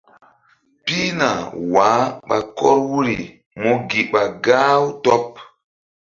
Pihna wah ɓa kɔr wuri mú gi ɓa gah-u tɔɓ.